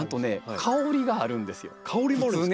香りもあるんですか？